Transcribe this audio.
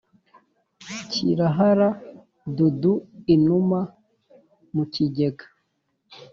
Kirahara dudu-Inuma mu kigega.